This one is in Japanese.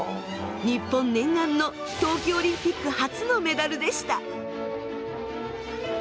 日本念願の冬季オリンピック初のメダルでした。